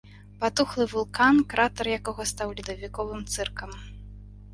Патухлы вулкан, кратар якога стаў ледавіковым цыркам.